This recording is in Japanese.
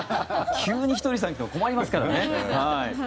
急にひとりさん来ても困りますからね。